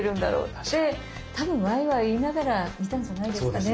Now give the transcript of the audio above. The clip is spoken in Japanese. って多分ワイワイ言いながら見たんじゃないですかね。